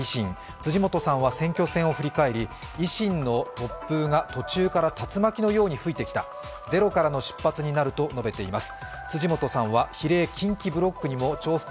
辻元さんは選挙戦を振り返り維新の突風が途中から竜巻のように吹いてきた、ゼロからの出発になると述べています。